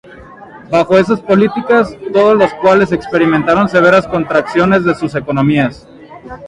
Bajo esas políticas, todos los cuales experimentaron severas contracciones de sus economías.